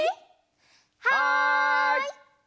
はい！